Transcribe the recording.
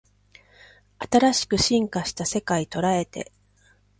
新しく進化した世界捉えて